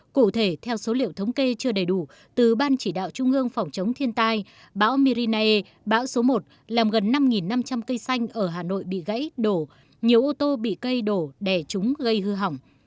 cụ thể theo số liệu thống kê chưa đầy đủ từ ban chỉ đạo trung ương phòng chống thiên tai bão mina bão số một làm gần năm năm trăm linh cây xanh ở hà nội bị gãy đổ nhiều ô tô bị cây đổ đè trúng gây hư hỏng